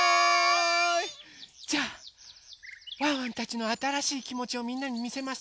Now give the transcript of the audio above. じゃあワンワンたちのあたらしいきもちをみんなにみせます。